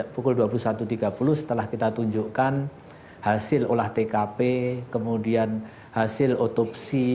pukul dua puluh satu tiga puluh setelah kita tunjukkan hasil olah tkp kemudian hasil otopsi